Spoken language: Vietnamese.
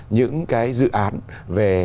những cái dự án về